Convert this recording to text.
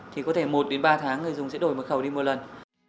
thì có thể một đến ba tháng người dùng sẽ đổi mật khẩu đi một lần